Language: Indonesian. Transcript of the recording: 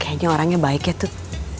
kayanya orangnya baiknya tuh